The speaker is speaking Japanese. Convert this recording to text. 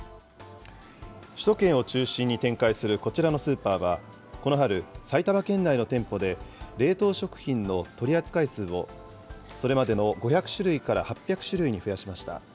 首都圏を中心に展開するこちらのスーパーは、この春、埼玉県内の店舗で、冷凍食品の取り扱い数を、それまでの５００種類から８００種類に増やしました。